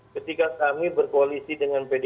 ketika kami berkoalisi dengan pdip